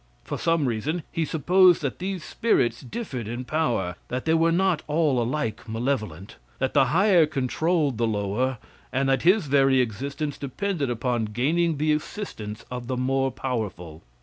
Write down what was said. For some reason he supposed that these spirits differed in power that they were not all alike malevolent that the higher controlled the lower, and that his very existence depended upon gaining the assistance of the more powerful.